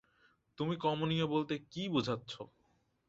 তুমি কমনীয় বলতে কী বুঝচ্ছ?